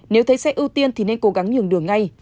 nếu thấy xe ưu tiên thì nên cố gắng nhường đường ngay